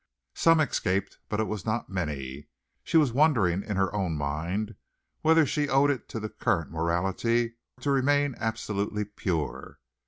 Some escaped, but it was not many. She was wondering in her own mind whether she owed it to current morality to remain absolutely pure.